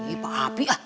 ih pak apik